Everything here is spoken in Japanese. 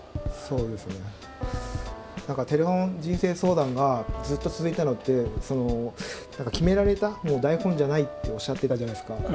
何か「テレフォン人生相談」がずっと続いたのって決められた台本じゃないっておっしゃってたじゃないですか。